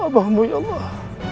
ampunilah ya allah